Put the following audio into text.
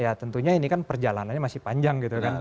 ya tentunya ini kan perjalanannya masih panjang gitu kan